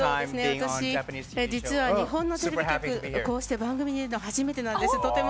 私、実は日本のテレビ局番組に出るの初めてなんです。